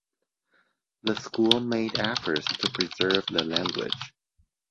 The school made efforts to preserve the language.